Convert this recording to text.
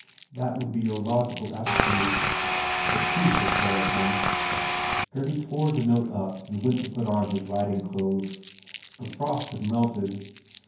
That would be your logical attitude. But do take care of him." Gurdy tore the note up and went to pull on his riding clothes. The frost had melted.